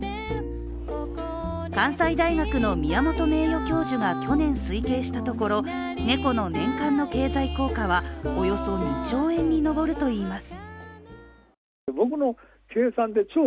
関西大学の宮本名誉教授が去年推計したところ猫の年間の経済効果はおよそ２兆円に上るといいます。